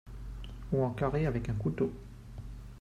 ou en carrés avec un couteau